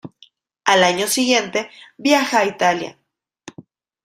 Al año siguiente viaja a Italia.